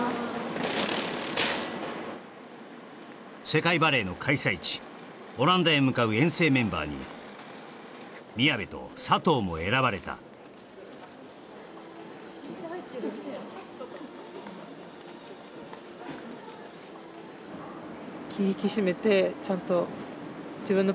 世界バレーの開催地オランダへ向かう遠征メンバーに宮部と佐藤も選ばれたせー